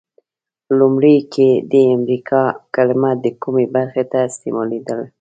لومړیو کې د امریکا کلمه د کومې برخې ته استعمالیده؟